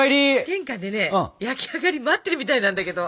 玄関でね焼き上がり待ってるみたいなんだけど。